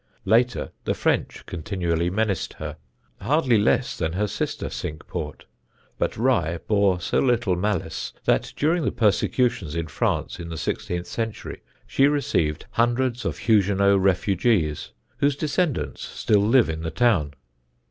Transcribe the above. Later the French continually menaced her, hardly less than her sister Cinque Port, but Rye bore so little malice that during the persecutions in France in the sixteenth century she received hundreds of Huguenot refugees, whose descendants still live in the town.